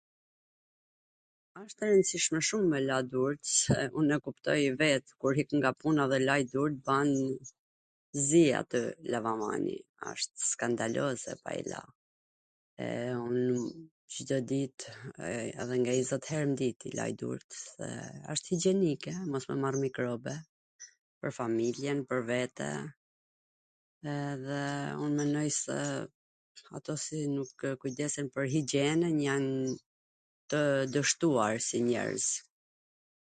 Esht e rwndsishme shum me la durt se un e kuptoj vet kur hik nga puna edhe laj durt ban zi aty lavamani, asht skandaloze pa i la. un Cdo dit edhe nga njwzet her n dit i laj durt, se asht higjenike mos me marr mikrobe, pwr familjen, pwr vete, edhe un menoj se ato si nuk kujdesen pwr higjenwn janw tw dwshtuar si njerwz.